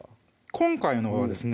今回のはですね